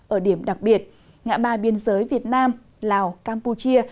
ở điểm đặc biệt ngã ba biên giới việt nam lào campuchia